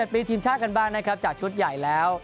ปีทีมชาติกันบ้างนะครับจากชุดใหญ่แล้ว